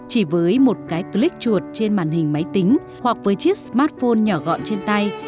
chỉ với một cái click chuột trên màn hình máy tính hoặc với chiếc smartphone nhỏ gọn trên tay